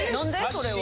それは。